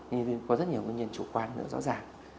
nhưng có rất nhiều nhân chủ quan nữa rõ ràng